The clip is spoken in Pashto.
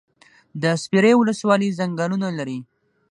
د سپیرې ولسوالۍ ځنګلونه لري